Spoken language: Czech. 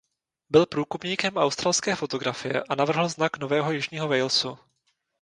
Byl průkopníkem australské fotografie a navrhl znak Nového Jižního Walesu.